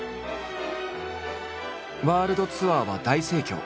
ワールドツアーは大盛況。